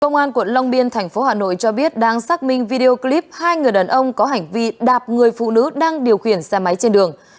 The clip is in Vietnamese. công an quận long biên thành phố hà nội cho biết đang xác minh video clip hai người đàn ông có hành vi đạp người phụ nữ đang điều khiển xe máy trên đường